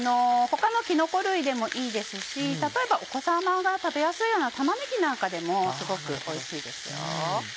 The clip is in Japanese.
他のキノコ類でもいいですし例えばお子様が食べやすいような玉ねぎなんかでもすごくおいしいですよ。